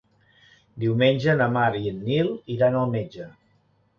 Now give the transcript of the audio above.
Diumenge na Mar i en Nil iran al metge.